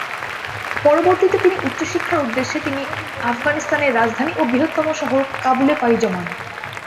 পরবর্তীতে তিনি উচ্চ শিক্ষার উদ্দেশ্যে তিনি আফগানিস্তানের রাজধানী ও বৃহত্তম শহর কাবুলে পাড়ি জমান।